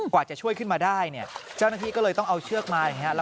กว่าจะช่วยขึ้นมาได้เนี่ยเจ้าหน้าที่ก็เลยต้องเอาเชือกมาอย่างนี้